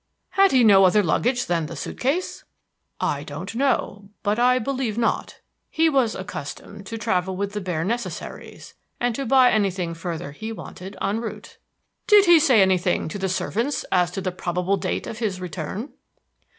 "Had he no other luggage than the suit case?" "I do not know, but I believe not. He was accustomed to travel with the bare necessaries, and to buy anything further he wanted en route." "Did he say nothing to the servants as to the probable date of his return?"